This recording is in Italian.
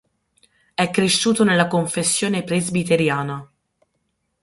È cresciuto nella confessione presbiteriana.